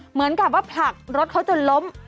เหมือนกับว่าผลักรถเขาจนล้ม